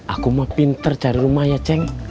aku mau pinter cari rumah ya ceng